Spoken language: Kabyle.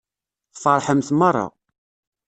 Tfeṛḥemt meṛṛa.